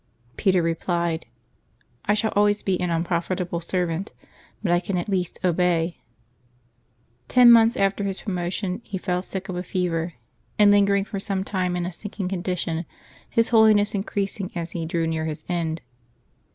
Peter replied, " I shall always be an unprofitable servant, but I can at least obey." Ten months after his promotion he fell sick of a fever, and lingered for some time in a sinking condition, his holiness increasing as he drew near his end.